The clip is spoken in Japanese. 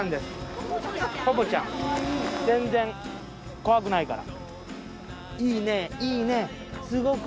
全然怖くないから。